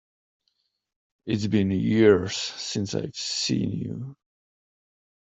It's been years since I've seen you!